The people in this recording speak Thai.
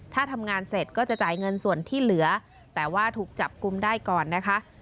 ถ้าทำงานเสร็จก็จะจ่ายเงินส่วนที่เหลือแต่ว่าถูกจับกลุ่มได้ก่อนนะคะ